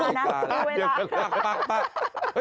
เดี๋ยวค่อยป่ะ